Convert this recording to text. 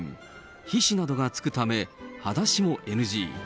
皮脂などがつくため、はだしもＮＧ。